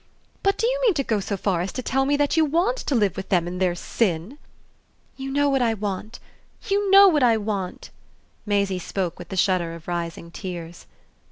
But do you mean to go so far as to tell me that you WANT to live with them in their sin?" "You know what I want, you know what I want!" Maisie spoke with the shudder of rising tears.